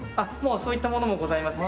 そういったものもございますし。